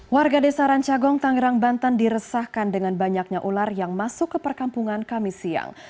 warga desa rancagong tangerang banten diresahkan dengan banyaknya ular yang masuk ke perkampungan kami siang